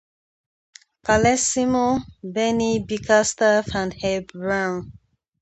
Carlesimo, Bernie Bickerstaff and Herb Brown.